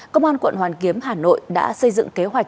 công an quận hoàn kiếm hà nội đã xây dựng kế hoạch